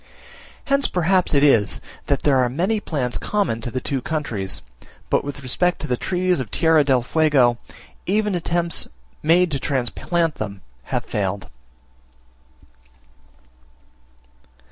Hence perhaps it is, that there are many plants in common to the two countries but with respect to the trees of Tierra del Fuego, even attempts made to transplant them have failed.